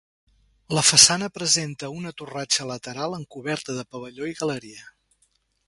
La façana presenta una torratxa lateral amb coberta de pavelló i galeria.